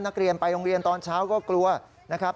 นักเรียนไปโรงเรียนตอนเช้าก็กลัวนะครับ